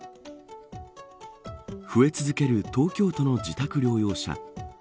増え続ける東京都の自宅療養者。